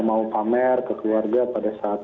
mau pamer ke keluarga pada saat